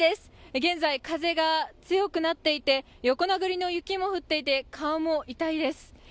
現在、風が強くなっていて、横殴りの雪も降っていて顔も痛いです。